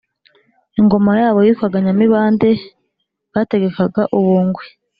ingoma yabo yitwaga nyamibande. bategekaga u bungwe.